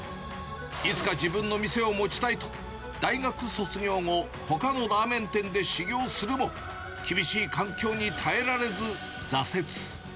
いつか自分の店を持ちたいと、大学卒業後、ほかのラーメン店で修業するも、厳しい環境に耐えられず、挫折。